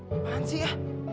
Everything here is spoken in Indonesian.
eh lo apaan sih ya